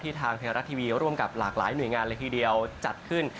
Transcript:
ทางไทยรัฐทีวีร่วมกับหลากหลายหน่วยงานเลยทีเดียวจัดขึ้น